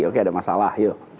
oke ada masalah yuk